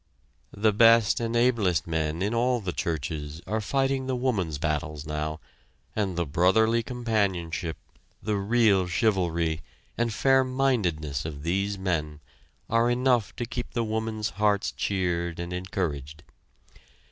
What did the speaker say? The best and ablest men in all the churches are fighting the woman's battles now, and the brotherly companionship, the real chivalry, and fairmindedness of these men, are enough to keep the women's hearts cheered and encouraged.